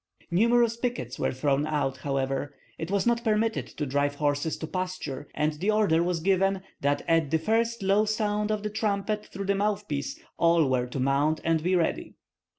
Numerous pickets were thrown out, however; it was not permitted to drive horses to pasture, and the order was given that at the first low sound of the trumpet through the mouthpiece all were to mount and be ready.